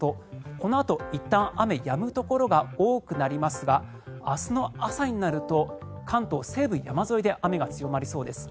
このあと、いったん雨がやむところが多くなりますが明日の朝になると関東西部山沿いで雨が強まりそうです。